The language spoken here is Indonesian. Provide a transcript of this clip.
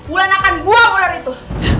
bulan akan buang ular itu